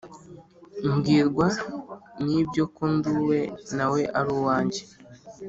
Mbwirwa nibyo ko nduwe nawe ari uwanjye